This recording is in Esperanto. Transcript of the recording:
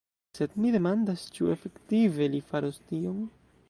Sed mi demandas ĉu efektive li faros tion?